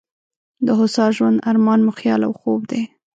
د هوسا ژوند ارمان مو خیال او خوب دی.